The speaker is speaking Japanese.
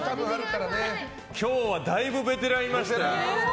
今日はだいぶベテランいました。